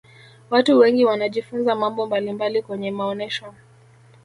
watu wengi wanajifunza mambo mbalimbali kwenye maonesho